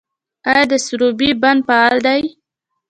آیا د سروبي بند فعال دی؟